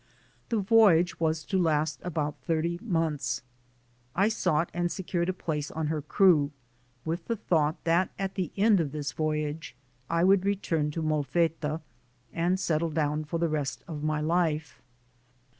The voyage was to last about thirty months. I sought and secured a place on her crew, with the thought that at the end of this voy age I would return to Molfetta and settle down for the rest of my life.